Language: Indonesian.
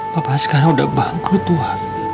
papa sekarang udah bangkrut tuhan